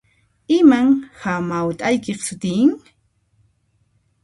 Iman hamawt'aykiq sutin?